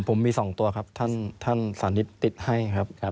ผมมี๒ตัวครับท่านสานิทติดให้ครับ